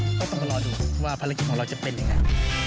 ก็ต้องกำลังรอดูว่าภารกิจของเราจะเป็นอย่างไร